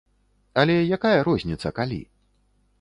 Але якая розніца калі?